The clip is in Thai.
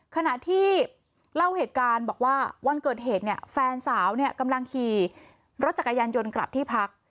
ขณะที่เล่าเหตุการณ์บอกว่าวันเกิดเหตุเนี่ยแฟนสาวเนี่ยกำลังขี่รถจักรยานยนต์กลับที่พัก